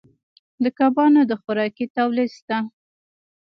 د کبانو د خوراکې تولید شته